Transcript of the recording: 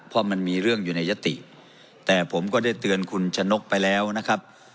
เพราะมันมีเรื่องอยู่ในยติแต่ผมก็ได้เตือนคุณชะนกไปแล้วนะครับ